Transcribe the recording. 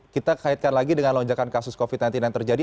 kita kaitkan lagi dengan lonjakan kasus covid sembilan belas yang terjadi